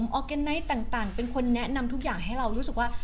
มากกว่าสิ่งที่เราคิดเรารู้สึกว่า